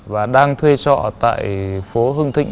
và đang thuê trọ tại phố hưng thịnh